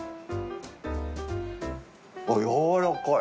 あっやわらかい！